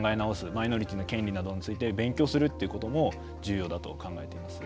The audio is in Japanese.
マイノリティーの権利などについて勉強するっていうことも重要だと考えています。